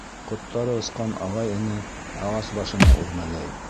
Ҡоттары осҡан ағай-эне ағас башына үрмәләй.